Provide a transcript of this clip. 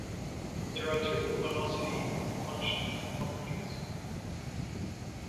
There are two luminosity functions in common use.